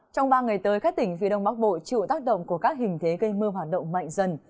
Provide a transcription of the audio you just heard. trong ba ngày tới các tỉnh phía đông bắc bộ chịu tác động của các hình thế gây mưa hoạt động mạnh dần